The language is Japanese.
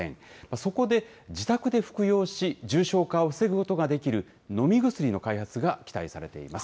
そこで、自宅で服用し、重症化を防ぐことができる飲み薬の開発が期待されています。